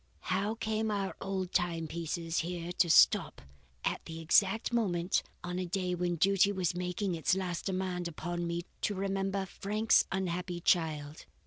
How came our old timepiece here to stop at that exact moment on a day when Duty was making its last demand upon me to remember Frank's unhappy child?